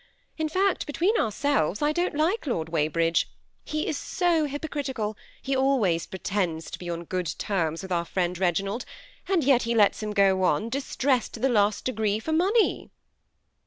In fact, between ourselves, I don't like Lord Wey bridge ; he is so hypocritical, he always pretends to be on good termp with our friend Reginald, and yet he lets him go on, distressed to the last degree for money."